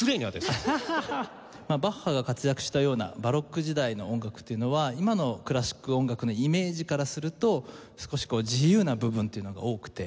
バッハが活躍したようなバロック時代の音楽っていうのは今のクラシック音楽のイメージからすると少し自由な部分というのが多くて。